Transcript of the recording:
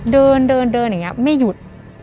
เดินแบบนี้ไม่หยุด